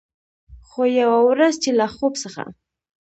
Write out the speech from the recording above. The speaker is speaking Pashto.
خو، یوه ورځ چې له خوب څخه